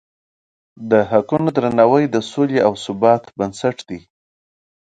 د حقونو درناوی د سولې او ثبات بنسټ دی.